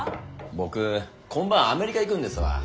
僕今晩アメリカ行くんですわ。